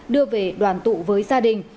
đưa về đoàn tụ với gia đình